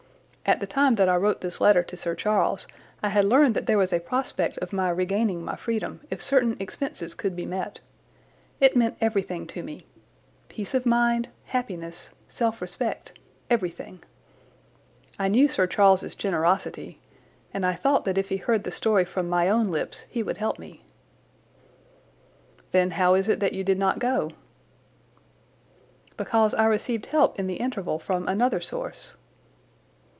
At the time that I wrote this letter to Sir Charles I had learned that there was a prospect of my regaining my freedom if certain expenses could be met. It meant everything to me—peace of mind, happiness, self respect—everything. I knew Sir Charles's generosity, and I thought that if he heard the story from my own lips he would help me." "Then how is it that you did not go?" "Because I received help in the interval from another source."